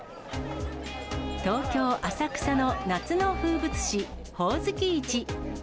東京・浅草の夏の風物詩、ほおずき市。